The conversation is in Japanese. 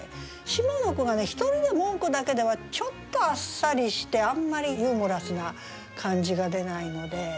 下の句がね「一人で文句」だけではちょっとあっさりしてあんまりユーモラスな感じが出ないので。